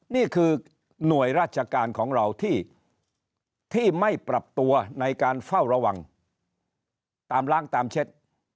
นี่คือหน่วยราชการของเราที่ไม่ปรับตัวในการเฝ้าระวังตามล้างตามเช็ด